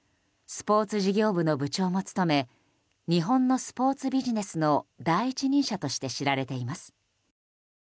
スポーツ事業部の部長も務め日本のスポーツビジネスの第一人者として知られています。